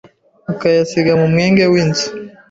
ukayasiga mu mwenge w’izuru,